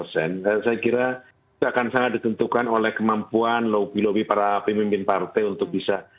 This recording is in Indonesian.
saya kira itu akan sangat ditentukan oleh kemampuan lobby lobby para pemimpin partai untuk bisa